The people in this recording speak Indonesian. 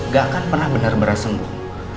gak akan pernah benar benar sembuh